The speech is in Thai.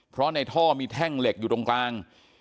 เพราะในท่อมีแท่งเหล็กอยู่ตรงกลาง